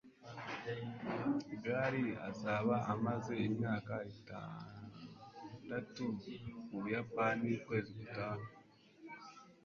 gary azaba amaze imyaka itandatu mu buyapani ukwezi gutaha